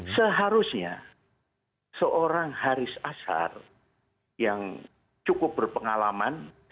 seharusnya seorang haris asar yang cukup berpengalaman